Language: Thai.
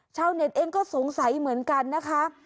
ชาวเน็ตเองก็สงสัยเหมือนกันนะคะ